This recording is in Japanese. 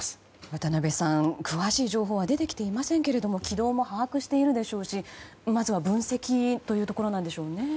渡辺さん、詳しい情報は出てきていませんけれども軌道も把握しているでしょうしまずは分析でしょうね。